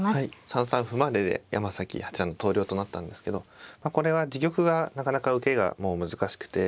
３三歩までで山崎八段の投了となったんですけどこれは自玉がなかなか受けがもう難しくて。